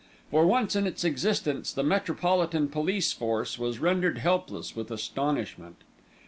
For once in its existence the Metropolitan Police Force was rendered helpless with astonishment.